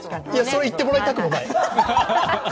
それ言ってもらいたくもない。